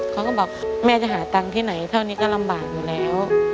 เขาก็บอกแม่จะหาตังค์ที่ไหนเท่านี้ก็ลำบากอยู่แล้ว